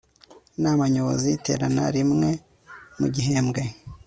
inama nyobozi iterana rimwe mu gihembwe